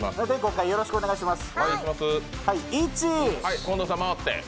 ５回よろしくお願いします。